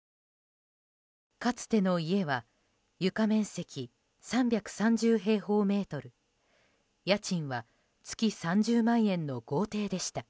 かつての家は床面積３３０平方メートル家賃は月３０万円の豪邸でした。